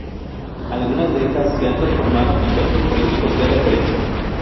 Algunas de estas se han transformado en textos políticos de referencia.